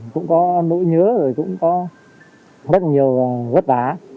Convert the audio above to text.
cũng có nỗi nhớ cũng có rất nhiều gớt đá